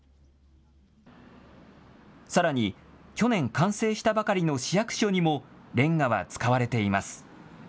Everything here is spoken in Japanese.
さらに去年完成したばかりの市役所にもレンガは使われています。